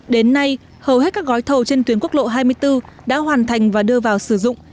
đến nay hầu hết các gói thầu trên tuyến quốc lộ hai mươi bốn đã hoàn thành và đưa vào sử dụng